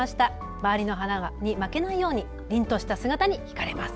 周りの花に負けないように凛とした姿に引かれます。